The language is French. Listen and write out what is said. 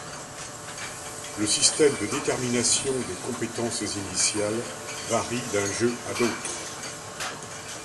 Le système de détermination des compétences initiales varie d'un jeu à l'autre.